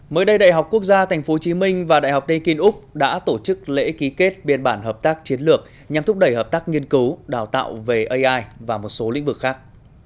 mới đây đại học quốc gia tp hcm và đại học đê kinh úc đã tổ chức lễ ký kết biên bản hợp tác chiến lược nhằm thúc đẩy hợp tác nghiên cứu đào tạo về ai và một số lĩnh vực khác